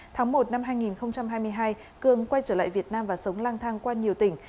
tháng một năm hai nghìn hai mươi hai cường quay trở lại việt nam và sống lang thang qua nhiều tỉnh